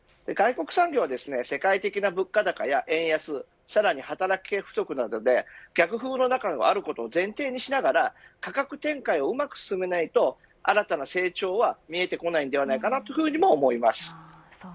外食産業は世界的な物価高や円安、さらに働き手の不足などで逆風の中にあることを前提にしながら価格展開をうまく進めないと新たな成長は見えてこないのではないかとも思います。